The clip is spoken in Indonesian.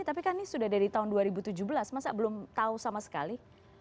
tapi kan ini sudah dari tahun dua ribu tujuh belas masa belum tahu sama sekali